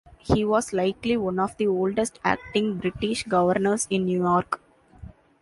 He was likely one of the oldest acting British governors in New York.